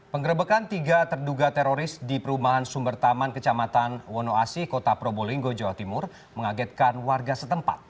penggerebekan tiga terduga teroris di perumahan sumber taman kecamatan wonoasi kota probolinggo jawa timur mengagetkan warga setempat